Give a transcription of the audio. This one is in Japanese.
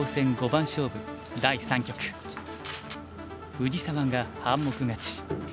藤沢が半目勝ち。